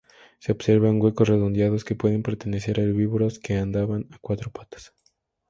Se observan huecos redondeados que pueden pertenecer a herbívoros que andaban a cuatro patas.